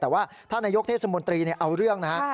แต่ว่าท่านนายกเทศมนตรีเอาเรื่องนะฮะ